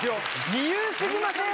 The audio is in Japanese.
自由すぎません？